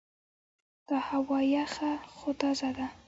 دا هوا یخه خو تازه ده.